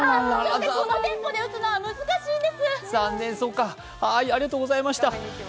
このテンポで撃つのは難しいんです。